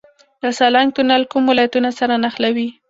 د سالنګ تونل کوم ولایتونه سره نښلوي؟